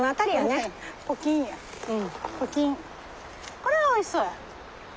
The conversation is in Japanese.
これはおいしそうや。